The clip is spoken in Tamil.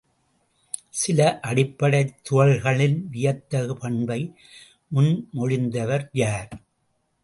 சில அடிப்படைத் துகள்களின் வியத்தகு பண்பை முன்மொழிந்தவர் யார்?